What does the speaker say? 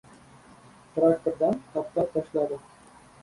Traktordan tap-tap tashladi.